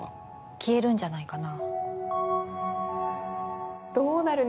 消えるんじゃないかな。